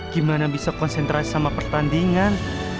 gimana bisa konsentrasi sama pertandingan